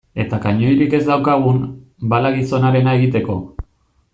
Eta kanoirik ez daukagun, bala gizonarena egiteko.